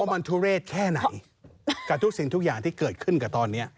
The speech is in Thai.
มันทุเรศแค่ไหนกับทุกสิ่งทุกอย่างที่เกิดขึ้นกับตอนนี้